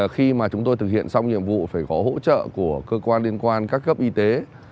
khi mà chúng tôi thực hiện xong nhiệm vụ phải có hỗ trợ của cơ quan liên quan các cấp y tế